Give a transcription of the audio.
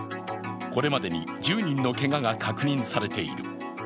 これまでに１０人のけがが確認されている。